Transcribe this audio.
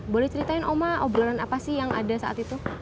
boleh ceritain oma obrolan apa sih yang ada saat itu